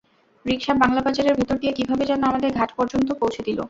রিকশা বাংলাবাজারের ভেতর দিয়ে কীভাবে যেন আমাদের ঘাট পর্যন্ত পৌঁছে দিল।